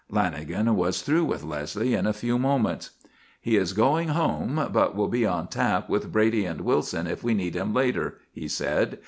Lanagan was through with Leslie in a few moments. "He is going home, but will be on tap with Brady and Wilson if we need him later," he said.